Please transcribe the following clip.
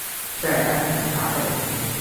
在鞍地大败齐军。